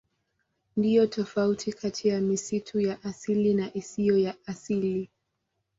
Ndiyo tofauti kati ya misitu ya asili na isiyo ya asili.